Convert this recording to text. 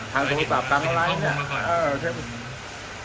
ทางโทรศัพท์ทางไลน์เนี่ย